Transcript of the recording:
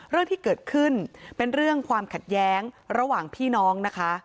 เรื่องที่เกิดขึ้นเป็นเรื่องความขัดแย้งระหว่างพี่น้องนะคะ